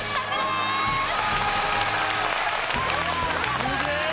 すげえ！